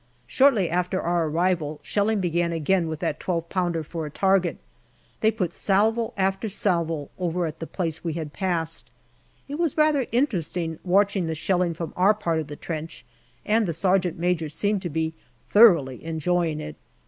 Shortly after our arrival, shelling began again with that 12 pounder for a target ; they put salvo after salvo over at the place we had passed. It was rather interesting watching the shelling from our part of the trench, and the sergeant major seemed to be thoroughly enjoying it.